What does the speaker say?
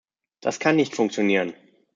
Das kann nicht funktionieren!